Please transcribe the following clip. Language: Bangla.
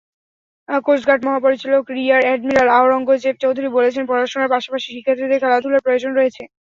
কোস্টগার্ড মহাপরিচালক রিয়ার এডমিরাল আওরঙ্গজেব চৌধুরী বলেছেন, পড়াশোনার পাশাপাশি শিক্ষার্থীদের খেলাধুলার প্রয়োজন রয়েছে।